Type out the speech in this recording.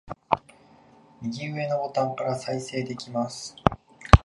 右上のボタンから再生できます